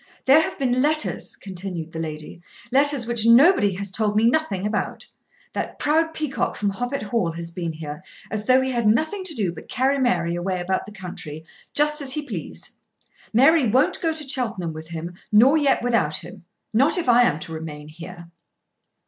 "There have been letters," continued the lady; "letters which nobody has told me nothing about. That proud peacock from Hoppet Hall has been here, as though he had nothing to do but carry Mary away about the country just as he pleased. Mary won't go to Cheltenham with him nor yet without him; not if I am to remain here."